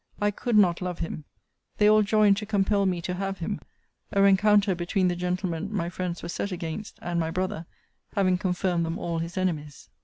I could not love him. They all joined to compel me to have him; a rencounter between the gentleman my friends were set against, and my brother, having confirmed them all his enemies.